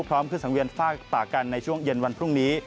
พร้อมขึ้นสังเวียนฝากกันในช่วงเย็นวันพรุ่งนี้